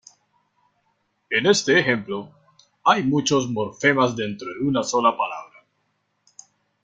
En este ejemplo, hay muchos morfemas dentro de una sola palabra.